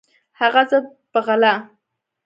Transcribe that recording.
هغه زه په غلا